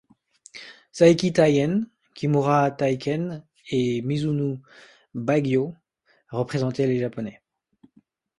Saeki Teien, Kimura Taiken et Mizuno Baigyo représentaient les Japonais.